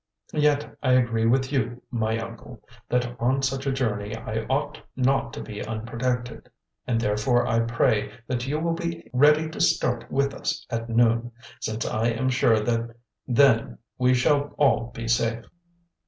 Yet I agree with you, my uncle, that on such a journey I ought not to be unprotected, and therefore I pray that you will be ready to start with us at noon, since I am sure that then we shall all be safe."